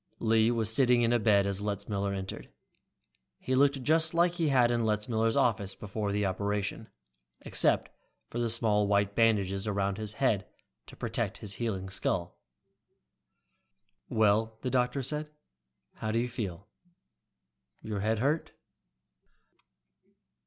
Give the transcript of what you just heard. Lee was sitting up in bed as Letzmiller entered. He looked just like he had in Letzmiller's office before the operation, except for the small white bandages around his head to protect his healing skull. "Well," the doctor said, "how do you feel? Your head hurt?"